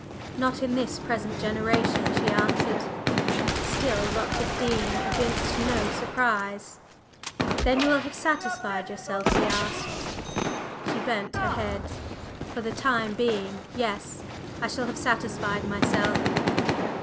"Not in this present generation!" she answered. Still Dr. Dean evinced no surprise. "Then you will have satisfied yourself?" he asked. She bent her head. "For the time being yes! I shall have satisfied myself."